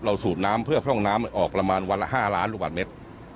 เราสูดน้ำเพื่อพร่องน้ำออกประมาณวันละ๕ล้านรูปวัตรเม็ด